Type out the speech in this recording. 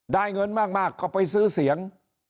ได้เงินมากก็ไปซื้อเสียง